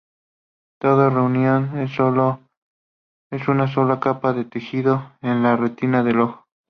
Todos reunidos en una sola capa de tejido en la retina del ojo.